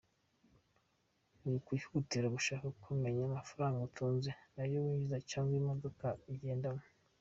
Wikwihutira gushaka kumenya amafaranga atunze, ayo yinjiza cyangwa imodoka agendamo.